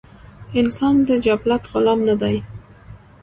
انسان د جبلت غلام نۀ دے